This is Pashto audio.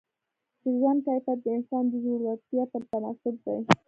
د ژوند کیفیت د انسان د زړورتیا په تناسب دی.